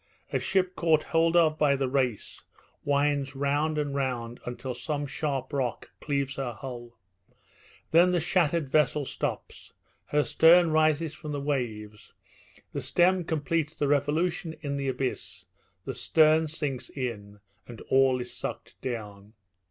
A ship caught hold of by the race, winds round and round until some sharp rock cleaves her hull; then the shattered vessel stops, her stern rises from the waves, the stem completes the revolution in the abyss, the stern sinks in, and all is sucked down.